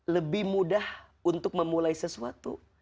lebih mudah untuk memulai sesuatu